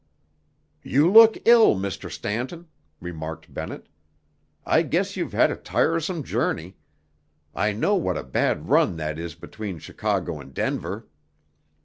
"You look ill, Mr. Stanton," remarked Bennett. "I guess you've had a tiresome journey. I know what a bad run that is between Chicago and Denver."